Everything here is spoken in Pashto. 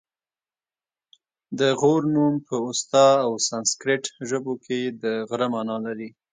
د غور نوم په اوستا او سنسګریت ژبو کې د غره مانا لري